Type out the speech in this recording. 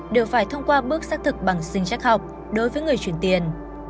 đều phải thông qua bước xác thực bằng sinh trách học đối với người truyền tiền